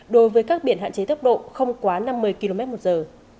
đối với các biển hạn chế tốc độ không quá năm mươi km một giờ